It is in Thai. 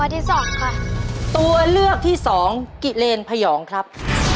ตัวเลือกที่๒กิเณรพยองครับ